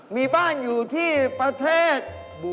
มีบ้านอยู่ที่ประเทศ